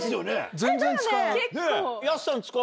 全然使う。